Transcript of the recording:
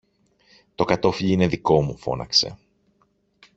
Το κατώφλι είναι δικό μου, φώναξε.